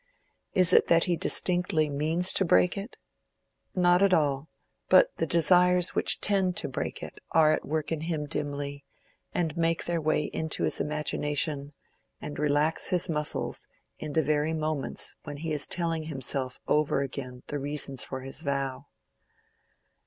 Is it that he distinctly means to break it? Not at all; but the desires which tend to break it are at work in him dimly, and make their way into his imagination, and relax his muscles in the very moments when he is telling himself over again the reasons for his vow.